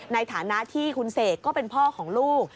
ในฐานะที่คุณเสกก็เป็นพ่อของลูก